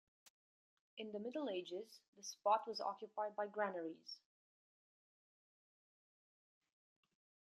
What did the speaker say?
In the Middle Ages, the spot was occupied by granaries.